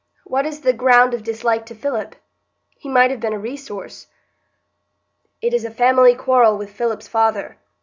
What is the ground of dislike to Philip? He might have been a resource." "It is a family quarrel with Philip's father.